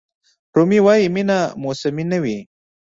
رومي وایي مینه موسمي نه وي.